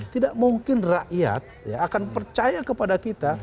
tidak mungkin rakyat akan percaya kepada kita